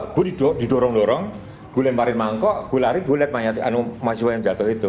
tiba tiba gua didorong dorong gua lemparin mangkok gua lari gua liat mahasiswa yang jatuh itu